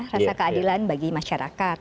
rasa keadilan bagi masyarakat